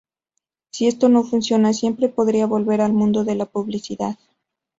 Si esto no funcionaba siempre podría volver al mundo de la publicidad.